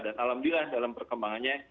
dan alhamdulillah dalam perkembangannya